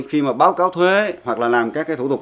khi mà báo cáo thuế hoặc là làm các cái thủ tục